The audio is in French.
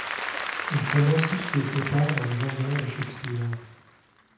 Il condense tout ce qui est épars dans les environs de Shakespeare.